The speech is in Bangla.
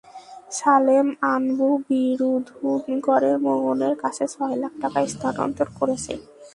সালেম, আনবু বিরুধুনগরে মোহনের কাছে ছয় লাখ টাকা স্থানান্তর করেছে।